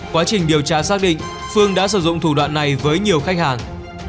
quá trình điều tra xác định phương đã sử dụng thủ đoạn này với nhiều khách hàng